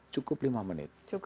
cukup lima menit